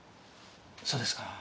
そうですか。